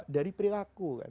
dari perilaku kan